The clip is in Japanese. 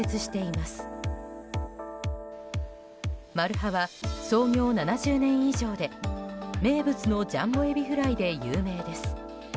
まるはは創業７０年以上で名物のジャンボエビフライで有名です。